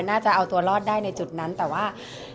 น่าจะเอาตัวรอดได้ในจุดนั้นแต่ว่า